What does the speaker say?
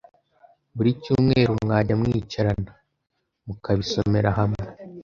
buri cyumweru mwajya mwicarana. mukabisomera hamwe